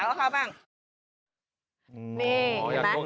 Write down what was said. อยากจะอาบน้ำปลาด้วยตัวขาวกับเขาบ้าง